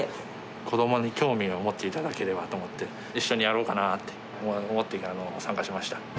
子どもに興味を持っていただければと思って、一緒にやろうかなと思って参加しました。